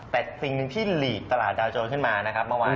แต่สิ่งหนึ่งที่หลีกตลาดดาวโจรขึ้นมานะครับเมื่อวาน